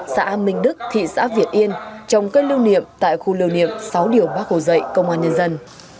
xã minh đức thị xã việt yên trong cơn lưu niệm tại khu lưu niệm sáu điều bác hồ dạy công an nhân dân